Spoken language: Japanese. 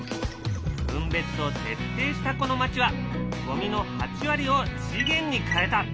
分別を徹底したこの町はゴミの８割を資源に変えた。